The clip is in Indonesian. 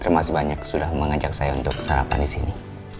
terima kasih banyak sudah mengajak saya untuk sarapan disini